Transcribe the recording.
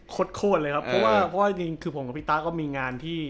โคตรโคตรเลยครับเพราะว่าจริงคือผมกับพี่ตาก็มีงานที่